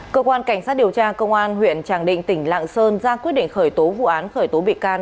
cơ quan cảnh sát điều tra công an huyện tràng định tỉnh lạng sơn ra quyết định khởi tố vụ án khởi tố bị can